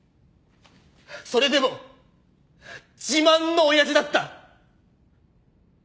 それでも自慢の親父だった！